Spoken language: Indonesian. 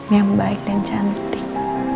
yang baik dan cantik